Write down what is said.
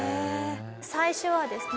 最初はですね